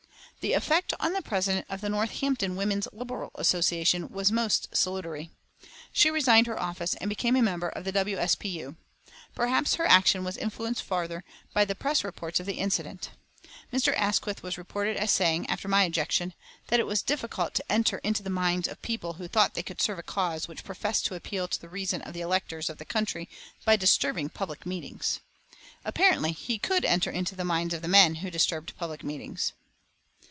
The effect on the president of the Northampton Women's Liberal Association was most salutary. She resigned her office and became a member of the W. S. P. U. Perhaps her action was influenced further by the press reports of the incident. Mr. Asquith was reported as saying, after my ejection, that it was difficult to enter into the minds of people who thought they could serve a cause which professed to appeal to the reason of the electors of the country by disturbing public meetings. Apparently he could enter into the minds of the men who disturbed public meetings.